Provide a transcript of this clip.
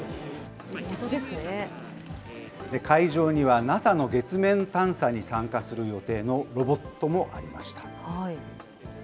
会場にはＮＡＳＡの月面探査に参加する予定のロボットもありました。